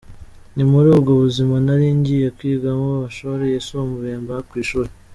Ni muri ubwo buzima nari ngiye kwigamo amashuli yisumbuye mba ku ishuli.